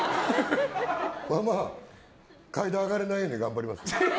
まあ、階段上がれないように頑張ります。